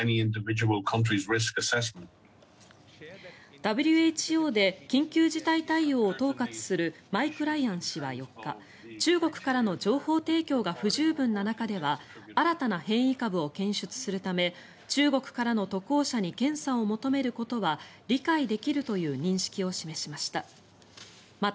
ＷＨＯで緊急事態対応を統括するマイク・ライアン氏は４日中国からの情報提供が不十分な中では新たな変異株を検出するため中国からの渡航者に検査を求めることは理解できるという認識を示しました。